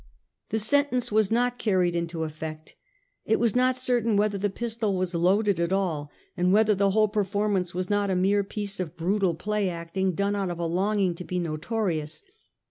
The sentence was not carried into effect. It was not certain whether the pistol was loaded at all, and whether the whole per formance was not a mere piece of brutal play acting done out of a longing to be notorious.